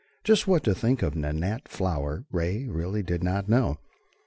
Just what to think of Nanette Flower Ray really did not know.